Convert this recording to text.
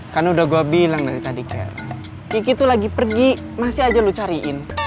karena udah gue bilang dari tadi kayak kiki tuh lagi pergi masih aja lu cariin